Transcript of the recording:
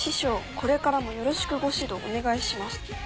これからもよろしくご指導お願いします」。